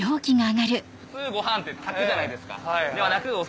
普通ご飯って炊くじゃないですか。